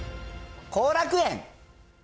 後楽園。